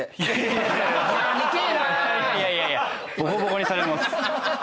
いやいやボコボコにされます。